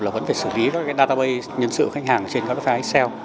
là vẫn phải xử lý các cái database nhân sự khách hàng trên các cái file excel